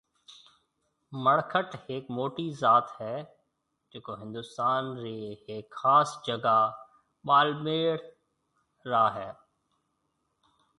مڙکٽ هڪ موٽي ذات هيَ جيڪو هندوستان رِي هڪ کاس جگا ٻاݪميڙ را هيَ۔